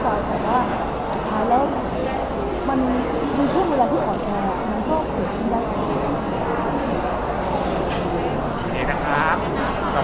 เพราะท่านบอกท่านะ